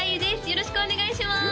よろしくお願いします